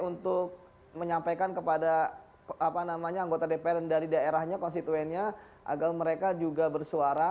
untuk menyampaikan kepada anggota dpr dan dari daerahnya konstituennya agar mereka juga bersuara